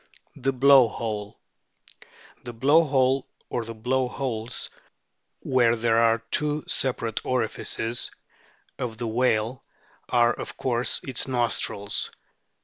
THE BLOW HOLE The blow hole, or the blow holes (where there are two separate orifices), of the whale, are, of course, its nostrils.